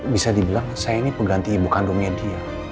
bisa dibilang saya ini pengganti ibu kandungnya dia